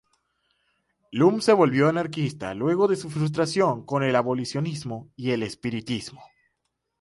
Lum se volvió anarquista luego de su frustración con el abolicionismo y el espiritismo.